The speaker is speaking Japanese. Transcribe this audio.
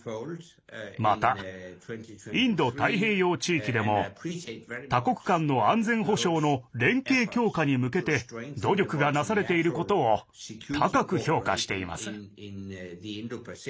また、インド太平洋地域でも多国間の安全保障の連携強化に向けて努力がなされていることを高く評価しています。